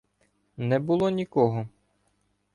Не було нікого.